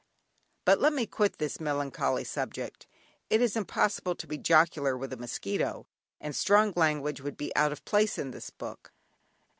But let me quit this melancholy subject; it is impossible to be jocular with a mosquito, and strong language would be out of place in this book.